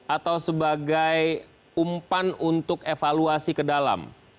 atau sebagai umpan untuk evaluasi ke dalam